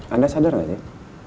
anda sadar gak sih